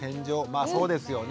まあそうですよね。